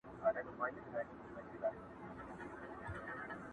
چي هر پردی راغلی دی زړه شینی دی وتلی!!